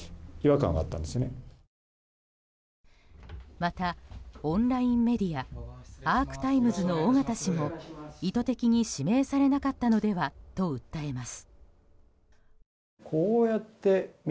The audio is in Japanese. また、オンラインメディアＡｒｃＴｉｍｅｓの尾形氏も意図的に指名されなかったのではと訴えます。